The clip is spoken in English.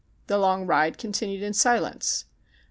The long ride continued in silence.